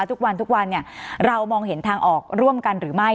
ทุกวันทุกวันเรามองเห็นทางออกร่วมกันหรือไม่